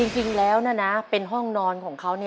จริงแล้วนะเป็นห้องนอนของเขา